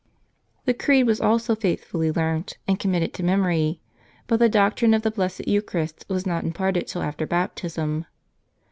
The Creed was also faithfully learnt, and committed to memory. But the doctrine of the Blessed Eucharist was not imparted till after baptism.